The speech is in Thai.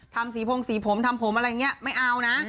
ทำสีพงสีผมทำผมอะไรอย่างนี้ไม่เอานะ